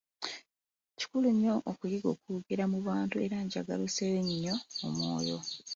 Kikulu nnyo okuyiga okwogera mu bantu era njagala osseeyo omwoyo.